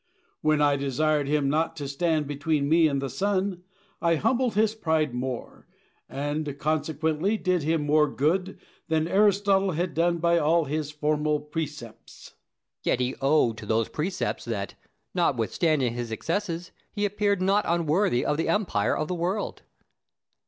When I desired him not to stand between me and the sun, I humbled his pride more, and consequently did him more good, than Aristotle had done by all his formal precepts. Plato. Yet he owed to those precepts that, notwithstanding his excesses, he appeared not unworthy of the empire of the world.